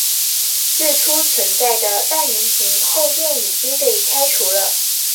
最初存在的半圆形后殿已经被拆除了。